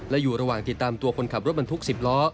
และอยู่ระหว่างติดตามตัวคนขับรถบรรทุก๑๐ล้อ